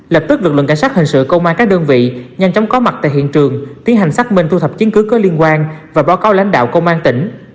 lập tức lực lượng cảnh sát hình sự công an các đơn vị nhanh chóng có mặt tại hiện trường tiến hành xác minh thu thập chứng cứ có liên quan và báo cáo lãnh đạo công an tỉnh